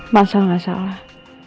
masalah gak salah